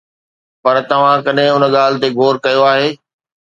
پر توهان ڪڏهن ان ڳالهه تي غور ڪيو آهي؟